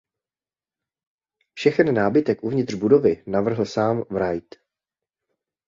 Všechen nábytek uvnitř budovy navrhl sám Wright.